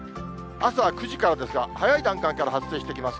朝９時からですが、早い段階から発生してきます。